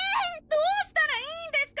どうしたらいいんですか？